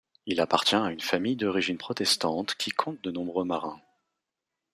Il appartient à une famille d'origine protestante qui compte de nombreux marins.